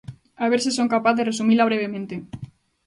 A ver se son capaz de resumila brevemente.